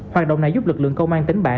hoạt động này giúp lực lượng công an tỉnh bạn